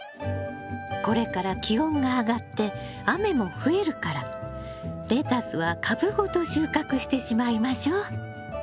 これから気温が上がって雨も増えるからレタスは株ごと収穫してしまいましょう。